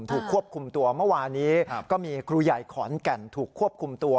ถูกควบคุมตัวเมื่อวานี้ก็มีครูใหญ่ขอนแก่นถูกควบคุมตัว